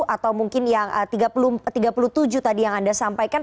atau mungkin yang tiga puluh tujuh tadi yang anda sampaikan